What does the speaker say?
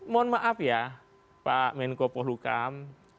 mohon maaf ya pak menko pohlukam